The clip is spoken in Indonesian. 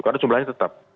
karena jumlahnya tetap